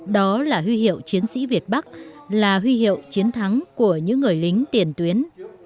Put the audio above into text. đó là huy hiệu chiến sĩ việt bắc là huy hiệu chiến thắng của những người lính tiền tuyến